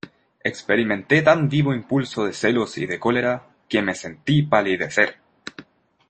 experimenté tan vivo impulso de celos y de cólera, que me sentí palidecer.